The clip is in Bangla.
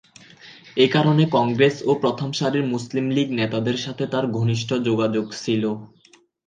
এ কারণে কংগ্রেস ও প্রথম সারির মুসলিম লীগ নেতাদের সাথে তার ঘনিষ্ঠ যোগাযোগ ছিলো।